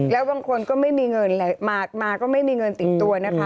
แล้วบางคนก็ไม่มีเงินมาก็ไม่มีเงินติดตัวนะคะ